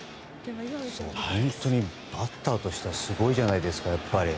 バッターとしてはすごいじゃないですか。